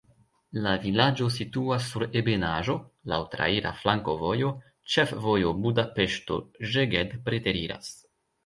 La vilaĝo situas sur ebenaĵo, laŭ traira flankovojo, ĉefvojo Budapeŝto-Szeged preteriras.